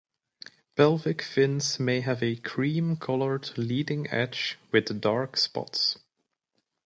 Pelvic fins may have a cream colored leading edge with dark spots.